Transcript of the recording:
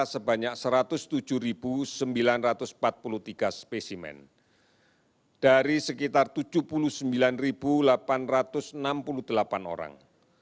sebanyak satu ratus tujuh sembilan ratus empat puluh tiga spesimen dari sekitar tujuh puluh sembilan delapan ratus enam puluh delapan orang